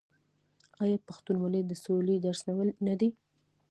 آیا پښتونولي د سولې درس نه دی؟